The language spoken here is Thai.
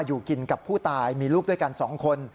อยู่กินกับผู้ตายมีลูกด้วยกัน๒คน